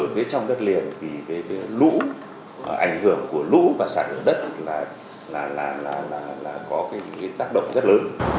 với trong đất liền thì lũ ảnh hưởng của lũ và sản lượng đất là có tác động rất lớn